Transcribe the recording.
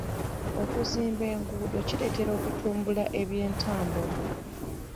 Okuzimba enguudo kireetera okutumbula eby'entambula.